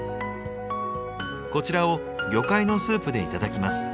こちらを魚介のスープで頂きます。